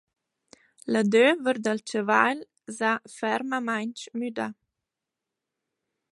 L’adöver dal chavagl s’ha fermamaing müdà.